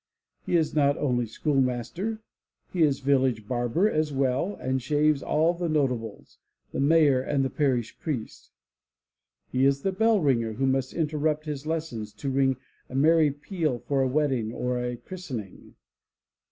He is not only schoolmaster; he is village barber as well and shaves all the notables, the mayor and parish priest. He is the bell ringer who must interrupt his lessons to ring a merry peal for a wedding or a christening.